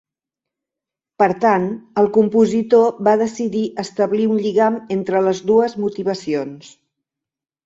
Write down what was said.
Per tant, el compositor va decidir establir un lligam entre les dues motivacions.